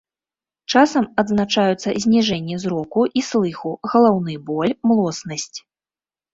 Часам адзначаюцца зніжэнне зроку і слыху, галаўны боль, млоснасць.